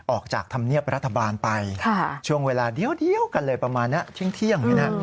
ออกจากธรรมเนียบรัฐบาลไปช่วงเวลาเดียวกันเลยประมาณนี้เที่ยง